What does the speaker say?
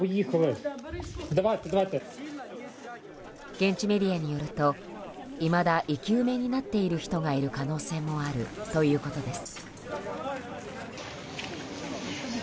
現地メディアによると、いまだ生き埋めになっている人がいる可能性もあるということです。